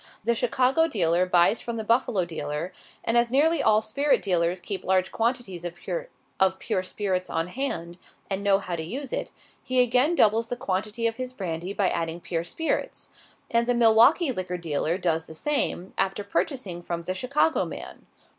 The Chicago dealer buys from the Buffalo dealer, and as nearly all spirit dealers keep large quantities of pure spirits on hand, and know how to use it, he again doubles the quantity of his brandy by adding pure spirits; and the Milwaukee liquor dealer does the same, after purchasing from the Chicago man.